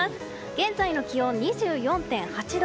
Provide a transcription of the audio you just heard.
現在の気温２４．８度。